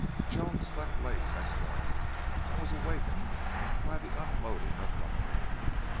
Joan slept late next morning, and was awakened by the unloading of lumber.